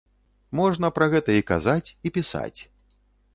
Можна пра гэта і казаць, і пісаць.